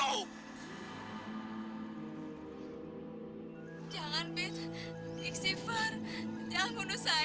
jangan pete iksifar jangan bunuh saya